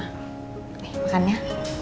nih makan ya